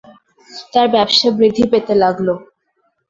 তাঁর ব্যবসা বৃদ্ধি পেতে লাগল।